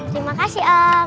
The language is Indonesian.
terima kasih om